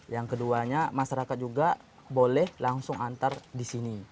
yang keduanya masyarakat juga boleh langsung antar di sini